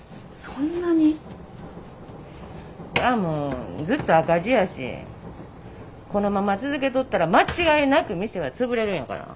そりゃもうずっと赤字やしこのまま続けとったら間違いなく店は潰れるんやから。